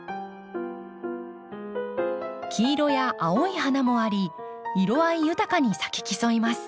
黄色や青い花もあり色合い豊かに咲き競います。